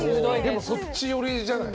でもそっち寄りじゃない？